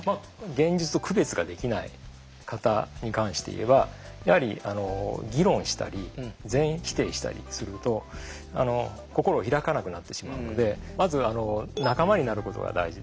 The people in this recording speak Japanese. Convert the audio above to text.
現実と区別ができない方に関していえばやはり議論したり全否定したりすると心を開かなくなってしまうのでまず仲間になることが大事ですよね。